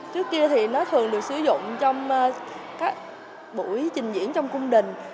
trước kia thì nó thường được sử dụng trong các buổi trình diễn trong cung đình